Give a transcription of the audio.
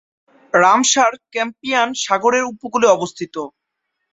Ramsar Caspian সাগরের উপকূলে অবস্থিত।